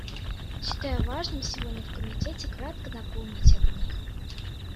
Считаю важным сегодня в Комитете кратко напомнить об них.